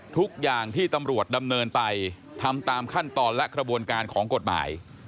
ทุกอย่างที่ตำรวจดำเนินไปทำตามขั้นตอนและกระบวนการของกฎหมาย